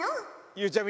ゆうちゃみ